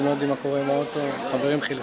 mereka tidak tahu apa yang terjadi dengan kereta